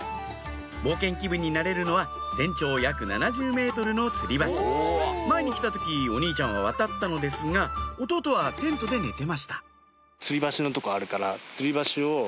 冒険気分になれるのは全長約７０ｍのつり橋前に来た時お兄ちゃんは渡ったのですが弟はテントで寝てましたつり橋を。